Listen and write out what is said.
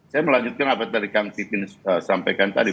saya melanjutkan apa yang tadi kang sipin sampaikan tadi